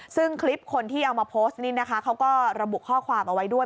ซึ่งคลิปคนที่เอามาโพสต์นี่นะคะเขาก็ระบุข้อความเอาไว้ด้วย